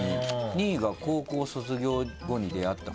２位が高校卒業後に出会った２人。